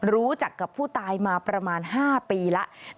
รู้จักกับผู้ตายมาประมาณ๕ปีแล้ว